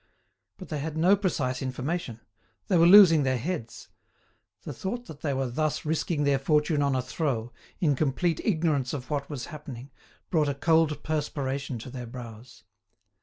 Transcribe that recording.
But they had no precise information; they were losing their heads; the thought that they were thus risking their fortune on a throw, in complete ignorance of what was happening, brought a cold perspiration to their brows.